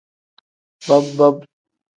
Bob-bob.